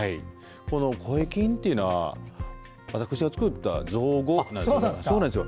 声筋っていうのは私が作った造語なんですよ。